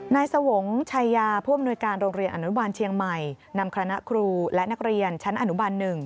นายสวงชัยยาผู้อำนวยการโรงเรียนอนุบาลเชียงใหม่นำคณะครูและนักเรียนชั้นอนุบัน๑